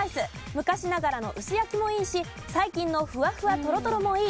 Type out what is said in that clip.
「昔ながらの薄焼きもいいし最近のふわふわとろとろもいい」。